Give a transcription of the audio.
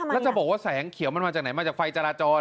แล้วจะบอกว่าแสงเขียวมันมาจากไฟจราจรหรอ